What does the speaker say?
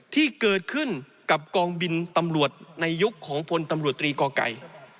ที่เกิดขึ้นกับกองบินตำรวจในยุคของพลตำรวจตรีก่อไก่